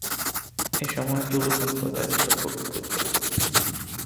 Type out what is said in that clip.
এসময় জুলু সম্প্রদায় ছিল খুবই ক্ষুদ্র।